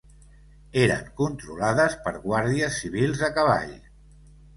Eren controlades per guàrdies civils a cavall